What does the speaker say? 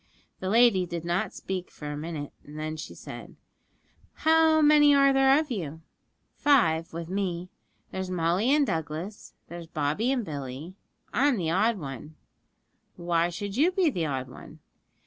The lady did not speak for a minute, then she said, 'How many are there of you?' 'Five with me; there's Molly and Douglas, and there's Bobby and Billy I'm the odd one.' 'Why should you be the odd one?'